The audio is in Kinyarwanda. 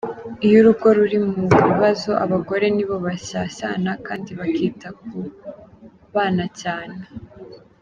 Iyo urugo ruri mu bibazo, abagore nibo bashyashyana kandi bakita ku bana cyane.